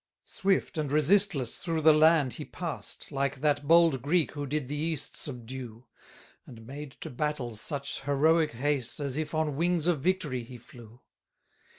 13 Swift and resistless through the land he past, Like that bold Greek who did the East subdue, And made to battles such heroic haste, As if on wings of victory he flew.